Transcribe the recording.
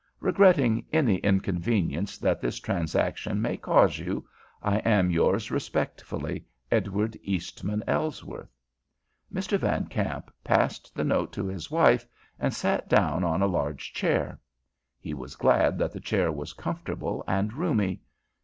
Regretting any inconvenience that this transaction may cause you, I am, Yours respectfully, EDWARD EASTMAN ELLSWORTH. Mr. Van Kamp passed the note to his wife and sat down on a large chair. He was glad that the chair was comfortable and roomy.